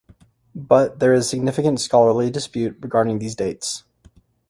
But, there is significant scholarly dispute regarding these dates.